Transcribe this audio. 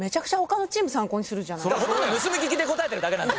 ほとんど盗み聞きで答えてるだけなんで。